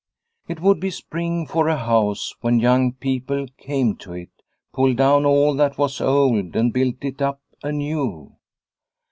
It would be spring for a house, when young people came to it, pulled down all that was old and built it up anew.